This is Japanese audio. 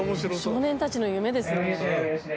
少年たちの夢ですね。